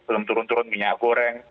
belum turun turun minyak goreng